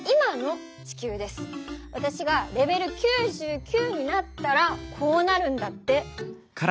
わたしがレベル９９になったらこうなるんだって。